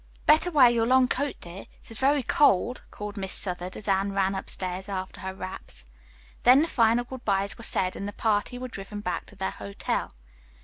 "Better wear your long coat, dear. It is very cold," called Miss Southard as Anne ran upstairs after her wraps. Then the final good byes were said and the party were driven back to their hotel.